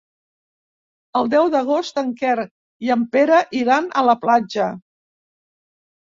El deu d'agost en Quer i en Pere iran a la platja.